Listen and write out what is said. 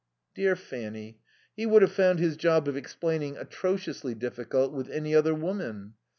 Dear Fanny. He would have found his job of explaining atrociously difficult with any other woman.